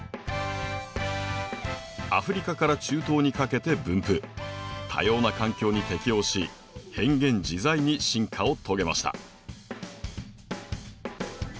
アフリカから中東にかけて分布多様な環境に適応し変幻自在に進化を遂げました。